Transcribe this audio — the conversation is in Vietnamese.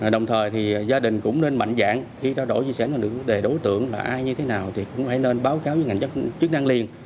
đồng thời thì gia đình cũng nên mạnh dạng khi trao đổi chia sẻ những vấn đề đối tượng là ai như thế nào thì cũng hãy nên báo cáo với ngành chức năng liền